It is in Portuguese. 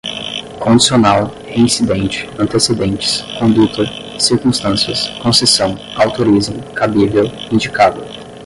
condicional, reincidente, antecedentes, conduta, circunstâncias, concessão, autorizem, cabível, indicada